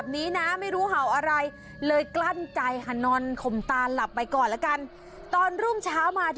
นี่ฉันนอนหลับนะคะ